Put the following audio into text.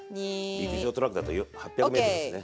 陸上トラックだと８００ｍですね。